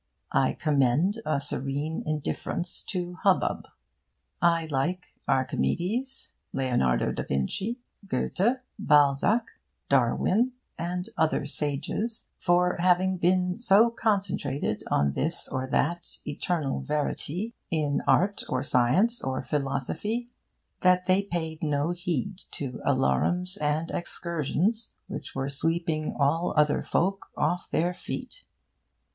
I commend a serene indifference to hubbub. I like Archimedes, Leonardo da Vinci, Goethe, Balzac, Darwin, and other sages, for having been so concentrated on this or that eternal verity in art or science or philosophy, that they paid no heed to alarums and excursions which were sweeping all other folk off their feet.